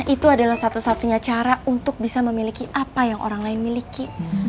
itu adalah satu satunya cara untuk bisa memiliki apa yang orang lain miliki